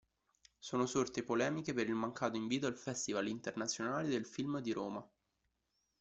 Sono sorte polemiche per il mancato invito al Festival Internazionale del Film di Roma.